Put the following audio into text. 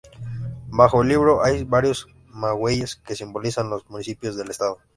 Bajo el libro hay varios magueyes, que simbolizan los municipios del estado.